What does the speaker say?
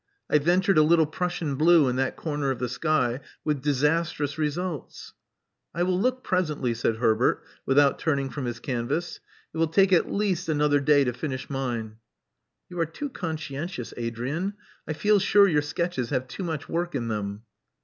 I ventured a little Prussian blue in that corner of the sky, with disastrous results." I will look presently," said Herbert, without turn ing from his canvas. *'It will take at least another day to finish mine. " "You are too conscientious, Adrian. I feel sure your sketches have too much work in them."